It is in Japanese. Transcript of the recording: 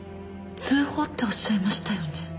通報っておっしゃいましたよね？